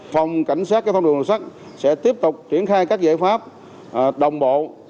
phòng cảnh sát các thông đường đặc sắc sẽ tiếp tục triển khai các giải pháp đồng bộ